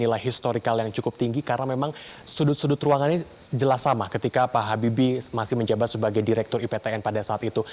nilai historikal yang cukup tinggi karena memang sudut sudut ruangan ini jelas sama ketika pak habibie masih menjabat sebagai direktur iptn pada saat itu